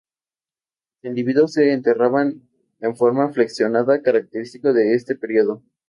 Los individuos se enterraban en forma flexionada, característico de este periodo.